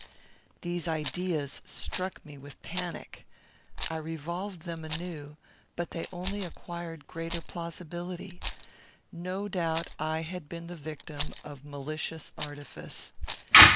These ideas struck me with panic. I revolved them anew, but they only acquired greater plausibility. No doubt I had been the victim of malicious artifice.